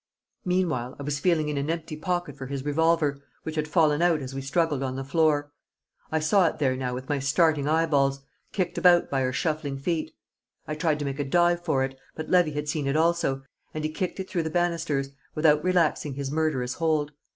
Meanwhile I was feeling in an empty pocket for his revolver, which had fallen out as we struggled on the floor. I saw it there now with my starting eyeballs, kicked about by our shuffling feet. I tried to make a dive for it, but Levy had seen it also, and he kicked it through the banisters without relaxing his murderous hold.